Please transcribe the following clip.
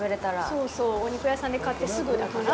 そうそう、お肉屋さんで買って、すぐだから。